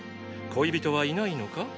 恋人はいないのか？